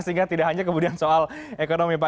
sehingga tidak hanya kemudian soal ekonomi pak